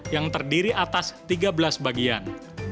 yang terdiri atas tiga belas bagian